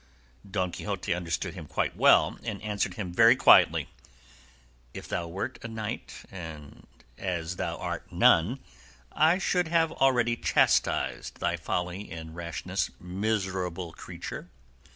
Don Quixote understood him quite well, and answered him very quietly, "If thou wert a knight, as thou art none, I should have already chastised thy folly and rashness, miserable creature."